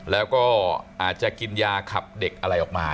แล้วก็อาจจะกินยาขับเด็กอะไรออกมา